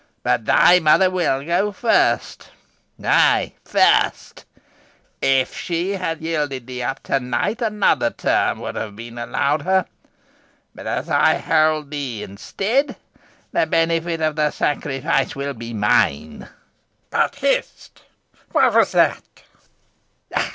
But thy mother will go first ay, first. If she had yielded thee up to night, another term would have been allowed her; but as I hold thee instead, the benefit of the sacrifice will be mine. But, hist! what was that?